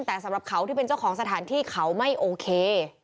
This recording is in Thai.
แต่สำหรับเขาที่เป็นเจ้าของสถานที่เขาไม่โอเค